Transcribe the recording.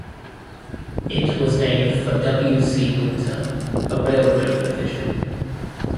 It was named for W. C. Winter, a railroad official.